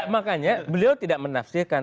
makanya beliau tidak menafsirkan